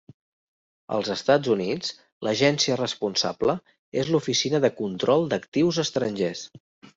Als Estats Units, l'agència responsable és l'Oficina de Control d'Actius Estrangers.